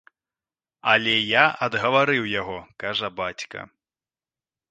Але я адгаварыў яго, кажа бацька.